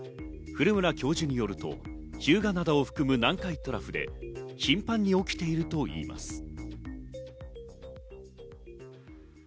古村教授によると、日向灘を含む南海トラフで頻繁に起きているといいます。